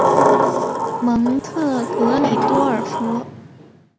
蒙特格里多尔福。